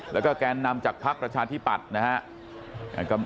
แล้วก็แก่นำจากภักร์ประชาธิปัตรนะฮะ